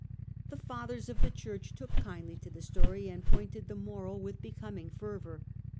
The fathers of the Church took kindly to the story, and pointed the moral with becoming fervour.